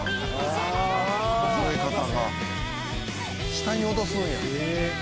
下に落とすんや。